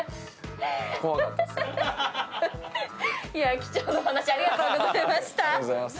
貴重なお話ありがとうございました。